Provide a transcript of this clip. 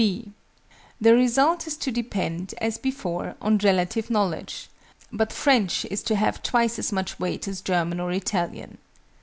(b) The result is to depend, as before, on relative knowledge; but French is to have twice as much weight as German or Italian.